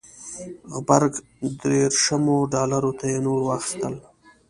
غبرګ دېرشمو ډالرو ته یې نور واخیستل.